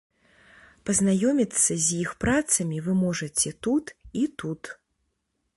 Пазнаёміцца з іх працамі вы можаце тут і тут.